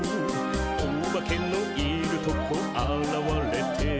「オバケのいるとこあらわれて」